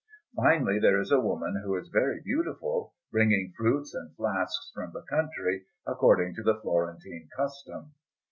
Finally, there is a woman, who is very beautiful, bringing fruits and flasks from the country, according to the Florentine custom.